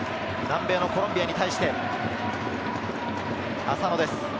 南米のコロンビアに対して、浅野です。